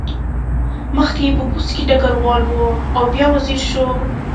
مخکې یې په پوځ کې ډګروال و او بیا وزیر شو.